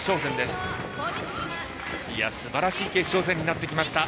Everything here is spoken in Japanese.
すばらしい決勝戦になってきました。